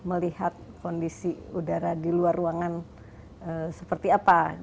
melihat kondisi udara di luar ruangan seperti apa